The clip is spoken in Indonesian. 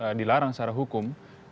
memang dilarang secara hukum